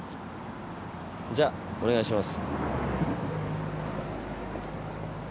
じゃあお願いします。